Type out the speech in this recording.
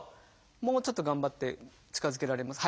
もうちょっと頑張って近づけられます？